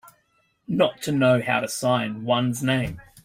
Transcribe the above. Not to know how to sign one's name.